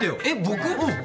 えっ僕？